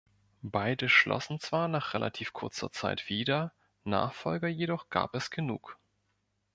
Beide schlossen zwar nach relativ kurzer Zeit wieder, Nachfolger jedoch gab es genug.